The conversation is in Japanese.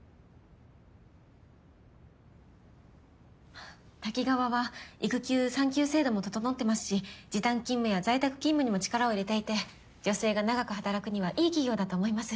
あっタキガワは育休産休制度も整ってますし時短勤務や在宅勤務にも力を入れていて女性が長く働くにはいい企業だと思います。